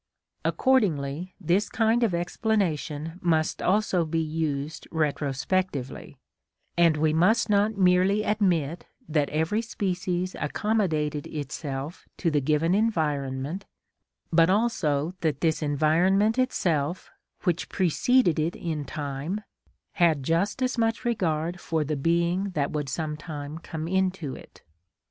Accordingly this kind of explanation must also be used retrospectively, and we must not merely admit that every species accommodated itself to the given environment, but also that this environment itself, which preceded it in time, had just as much regard for the being that would some time come into it.